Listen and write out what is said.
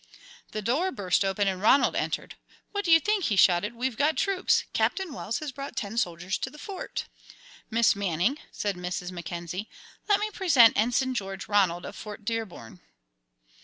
The door burst open and Ronald entered. "What do you think," he shouted; "we've got troops! Captain Wells has brought ten soldiers to the Fort!" "Miss Manning," said Mrs. Mackenzie, "let me present Ensign George Ronald, of Fort Dearborn."